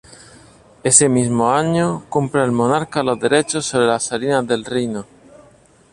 Ese mismo año compra al monarca los derechos sobre las salinas del reino.